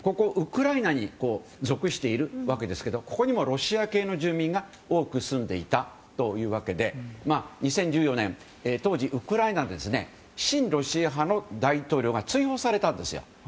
ウクライナに属しているわけですがここにもロシア系の住民が多く住んでいたというわけで２０１４年、当時、ウクライナは親ロシア派の大統領が追放されたんです。